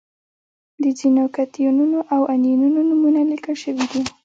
د ځینو کتیونونو او انیونونو نومونه لیکل شوي دي.